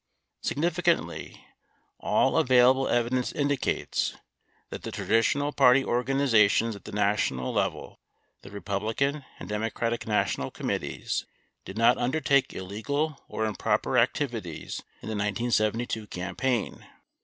Significantly, all available evidence indicates that the traditional party organizations at the national level, the Republican and Demo cratic National Committees, did not undertake illegal or improper activities in the 1972 campaign.